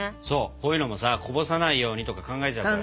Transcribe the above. こういうのもさこぼさないようにとか考えちゃうからさ。